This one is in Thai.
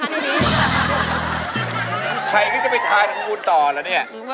ใครจะไปแถนรับไปกับผู้อุดก็ต่อล่ะ